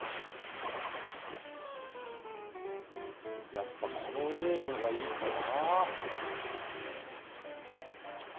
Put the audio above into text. やっぱこのゲームがいいかな。